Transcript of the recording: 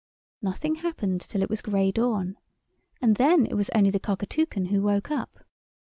Nothing happened till it was gray dawn, and then it was only the Cockatoucan who woke up.